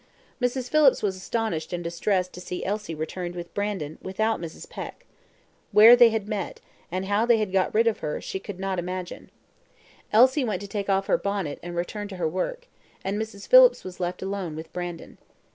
Mrs. Phillips was astonished and distressed to see Elsie return with Brandon without Mrs. Peck. Where they had met, and how they had got rid of her, she could not imagine. Elsie went to take off her bonnet and return to her work, and Mrs. Phillips was left alone with Brandon.